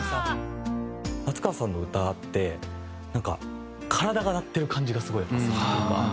夏川さんの歌ってなんか体が鳴ってる感じがすごいやっぱするというか。